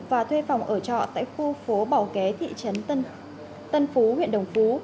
và thuê phòng ở trọ tại khu phố bảo ké thị trấn tân phú huyện đồng phú